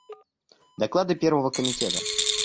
Доклады Первого комитета.